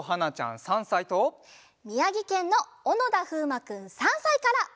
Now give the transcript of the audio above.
みやぎけんのおのだふうまくん３さいから。